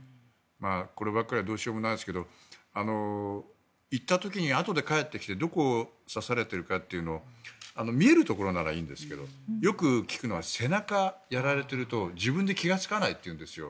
こればっかりはどうしようもないですが行った時にあとで帰ってきてどこで刺されているかというのを見えるところならいいんですけどよく聞くのは背中、やられていると自分で気がつかないっていうんですよ。